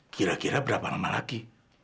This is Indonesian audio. kira kira berapa nama lagi